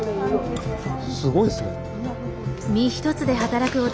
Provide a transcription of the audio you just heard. すごいですね。